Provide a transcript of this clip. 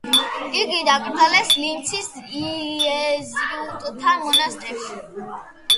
იგი დაკრძალეს ლინცის იეზუიტთა მონასტერში.